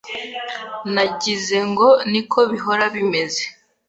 nagizengo niko bihora bimeze